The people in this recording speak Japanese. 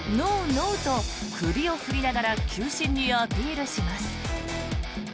ノー！と首を振りながら球審にアピールします。